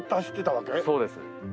そうです。